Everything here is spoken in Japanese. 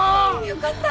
よかった。